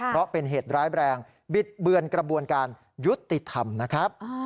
เพราะเป็นเหตุร้ายแรงบิดเบือนกระบวนการยุติธรรมนะครับ